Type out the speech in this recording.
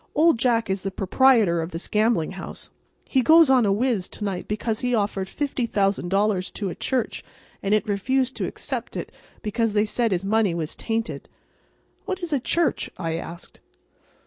"Old Jack is the proprietor of this gambling house. He's going on a whiz to night because he offered $50,000 to a church and it refused to accept it because they said his money was tainted." "What is a church?" I asked.